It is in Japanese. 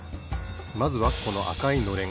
まずはこのあかいのれん。